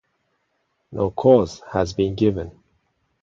No cause has been given.